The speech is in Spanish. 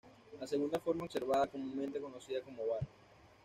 La segunda forma observada, comúnmente conocida como var.